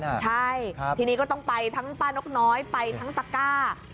ใช่ทีนี้ก็ต้องไปทั้งป้านกน้อยไปทั้งตะก้า